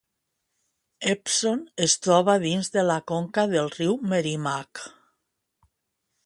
Epsom es troba dins de la conca del riu Merrimack.